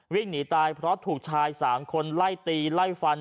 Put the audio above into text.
วิ่งหนีตายเพราะถูกชาย๓คนไล่ตีไล่ฟัน